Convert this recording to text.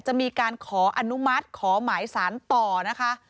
จะมีการขออนุมัติขอหมายสารต่อนะคะ